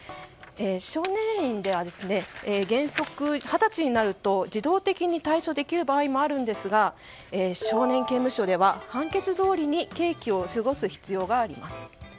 少年院では原則二十歳になると自動的に退所できる場合もあるんですが少年刑務所では判決どおりに刑期を過ごす必要があります。